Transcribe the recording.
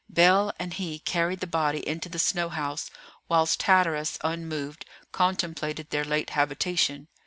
Bell and he carried the body into the snow house whilst Hatteras, unmoved, contemplated their late habitation.